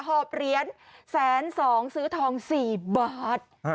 หอบเหรียญ๑๒๐๐๐๐บาทซื้อทอง๔บาท